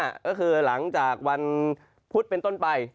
ก็คือหลังจากวันพุธเป็นต้นไป